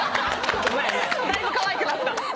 ・だいぶかわいくなった。